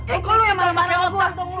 eh kok lu yang marah marah sama gue